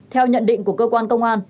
theo nhận định của cơ quan công an